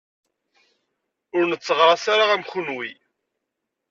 Ur netteɣraṣ ara am kenwi.